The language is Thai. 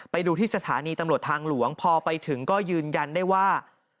ไปดูที่สถานีตำรวจทางหลวงพอไปถึงก็ยืนยันได้ว่า